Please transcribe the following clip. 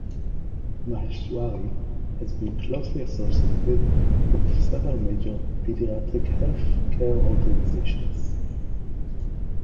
Maheshwari has been closely associated with several major pediatric health care organizations.